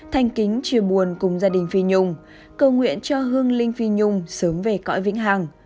thanh kính chia buồn cùng gia đình phi nhung cầu nguyện cho hương linh phi nhung sớm về cõi vĩnh hằng